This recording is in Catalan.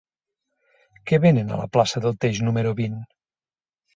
Què venen a la plaça del Teix número vint?